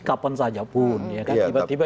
kapan saja pun tiba tiba